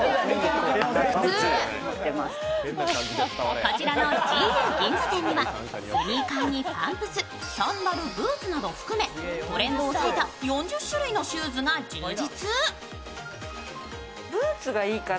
こちらのＧＵ銀座店にはスニーカーにパンプス、サンダル、ブーツなどを含めトレンドを押さえた４０種類のシューズが充実。